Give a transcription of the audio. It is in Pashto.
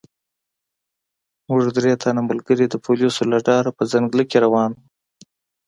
موږ درې تنه ملګري د پولیسو له ډاره په ځنګله کې روان وو.